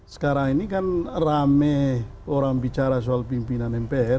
sekarang ini kan rame orang bicara soal pimpinan mpr